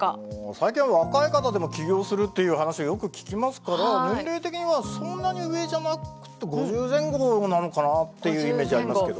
最近は若い方でも起業するっていう話はよく聞きますから年齢的にはそんなに上じゃなくて５０前後なのかなっていうイメージありますけど。